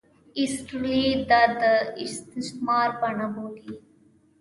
ایسټرلي دا د استثمار بڼه بولي.